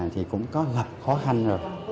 thì cũng có gặp khó khăn rồi